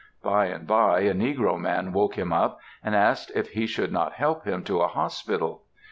By and by a negro man woke him up, and asked if he should not help him to a hospital.